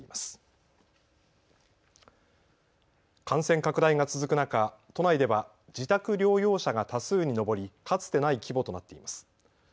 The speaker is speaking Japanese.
感染拡大が続く中、都内では自宅療養者が多数に上りかつてない規模となっています。